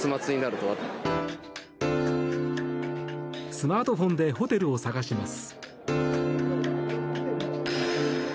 スマートフォンでホテルを探します。